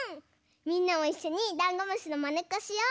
みんなもいっしょにダンゴムシのまねっこしよう！